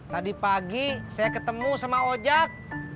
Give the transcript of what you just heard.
tadi pagi saya ketemu sama ojek